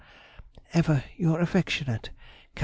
Ever your affectionate CAR.